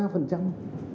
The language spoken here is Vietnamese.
ba ba phần trăm